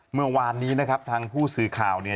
เมื่อวานนี้นะครับทางผู้สื่อข่าวเนี่ย